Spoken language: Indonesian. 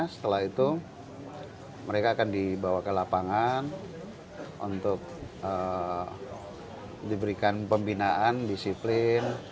setelah itu mereka akan dibawa ke lapangan untuk diberikan pembinaan disiplin